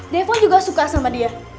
devo juga suka sama dia